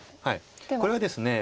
これはですね